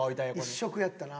１色やったな。